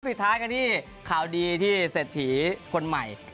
ปิดท้ายกันที่ข่าวดีที่เศรษฐีคนใหม่